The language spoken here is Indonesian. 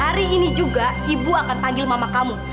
hari ini juga ibu akan panggil mama kamu